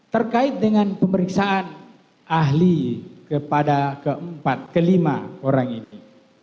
terkait dengan pemeriksaan ahli kepada keempat kelima orang ini